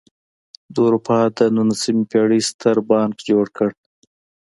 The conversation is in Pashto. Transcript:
د اروپا د نولسمې پېړۍ ستر بانک جوړ کړ.